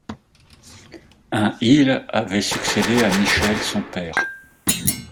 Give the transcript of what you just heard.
un Il avait succédé à Michel son père.